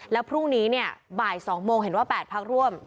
แล้วพรุ่งนี้เนี่ยบ่าย๒โมงเห็นว่า๘พักร่วม